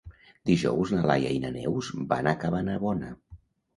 Dijous na Laia i na Neus van a Cabanabona.